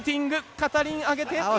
片輪あげて。